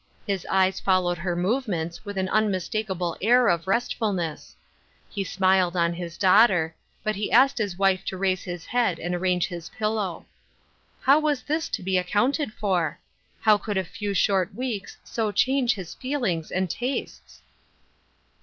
His eyes fol lowed her movements with an unmistakable air of restfulness. He smiled on his daughter ; but he asked his wife to raise his head and arrange his pillow. How was this to be accounted for ? How could a few short weeks so change his feel ings and tastes